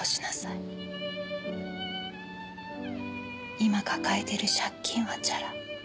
今抱えてる借金はチャラ。